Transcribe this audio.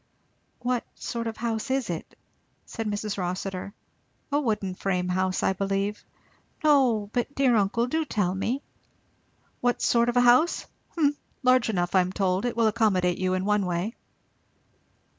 "What sort of a house is it?" said Mrs. Rossitur. "A wooden frame house, I believe." "No but, dear uncle, do tell me." "What sort of a house? Humph Large enough, I am told. It will accommodate you, in one way."